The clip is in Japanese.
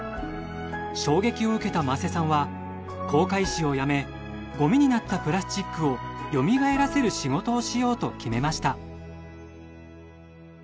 衝撃を受けた間瀬さんは航海士を辞めごみになったプラスチックをよみがえらせる仕事をしようと決めました。